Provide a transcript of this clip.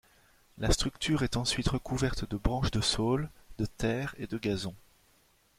La structure est ensuite recouverte de branches de saule, de terre et de gazon.